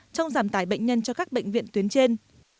trong giảm tải bệnh nhân cho các bệnh viện tuyến trên